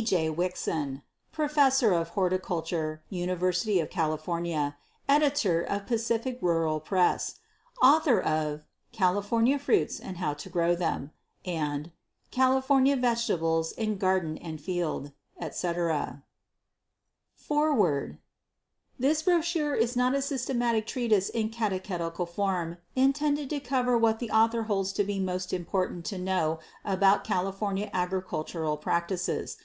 J. Wickson Professor of Horticulture, University of California; Editor of Pacific Rural Press; Author of "California Fruits and How to Grow Them" and "California Vegetables in Garden and Field," etc. Foreword This brochure is not a systematic treatise in catechetical form intended to cover what the writer holds to be most important to know about California agricultural practices.